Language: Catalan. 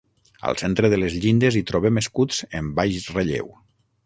Al centre de les llindes hi trobem escuts en baix relleu.